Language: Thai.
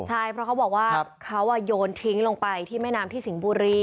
ใช่เพราะเขาบอกว่าเขาโยนทิ้งลงไปที่แม่น้ำที่สิงห์บุรี